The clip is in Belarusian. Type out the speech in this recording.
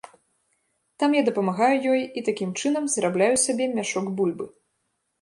Там я дапамагаю ёй і такім чынам зарабляю сабе мяшок бульбы.